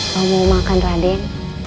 kau mau makan raden